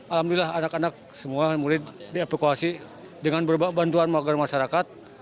alhamdulillah anak anak semua murid dievakuasi dengan bantuan masyarakat